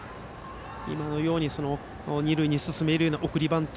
今のように二塁に進めるような送りバント。